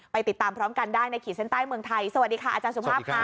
ติดตามพร้อมกันได้ในขีดเส้นใต้เมืองไทยสวัสดีค่ะอาจารย์สุภาพค่ะ